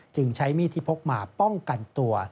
ใช้มีดที่พกมาป้องกันตัว